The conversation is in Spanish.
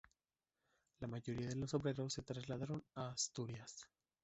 La mayoría de los obreros se trasladaron a Asturias.